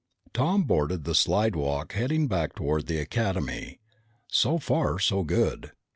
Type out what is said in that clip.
Tom boarded the slidewalk heading back toward the Academy. So far, so good.